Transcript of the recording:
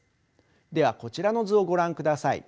ではこちらの図をご覧ください。